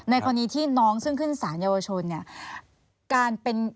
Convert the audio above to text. กรณีที่น้องซึ่งขึ้นสารเยาวชนเนี่ย